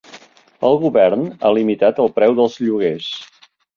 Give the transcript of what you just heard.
El govern ha limitat el preu dels lloguers